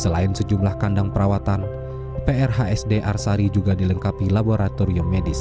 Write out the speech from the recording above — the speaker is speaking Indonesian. selain sejumlah kandang perawatan prhsd arsari juga dilengkapi laboratorium medis